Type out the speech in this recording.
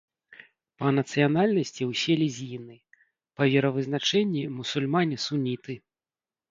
Па нацыянальнасці ўсе лезгіны, па веравызнанні мусульмане-суніты.